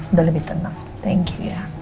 udah lebih tenang thank you ya